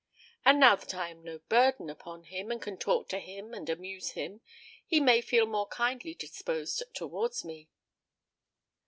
And now that I am no burden upon him, and can talk to him and amuse him, he may feel more kindly disposed towards me."